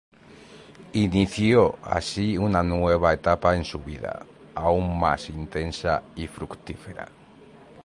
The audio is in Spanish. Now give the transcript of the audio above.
Inició así una nueva etapa en su vida, aún más intensa y fructífera.